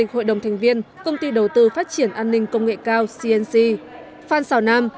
hội đồng thành viên công ty đầu tư phát triển an ninh công nghệ cao cnc phan xào nam